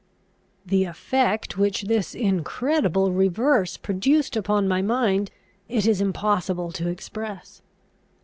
The effect which this incredible reverse produced upon my mind it is impossible to express.